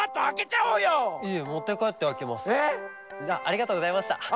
じゃありがとうございました。